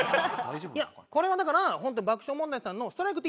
いやこれはだからホントに爆笑問題さんの『ストライクＴＶ』。